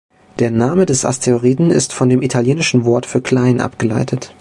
Der Name des Asteroiden ist von dem italienischen Wort für „klein“ abgeleitet.